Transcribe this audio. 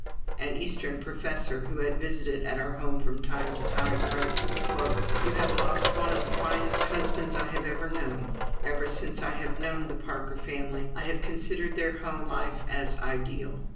An Eastern professor, who had visited at our home from time to time wrote: "You have lost one of the finest husbands I have ever known. Ever since I have known the Parker family, I have considered their home life as ideal.